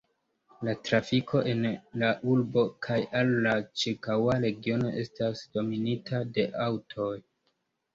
La trafiko en la urbo kaj al la ĉirkaŭa regiono estas dominita de aŭtoj.